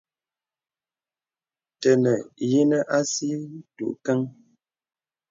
Tə́nə̀ nyinə asì ntǔ kəŋ.